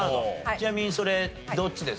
ちなみにそれどっちです？